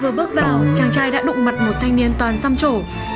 vừa bước vào chàng trai đã đụng mặt một thanh niên toàn xăm trổ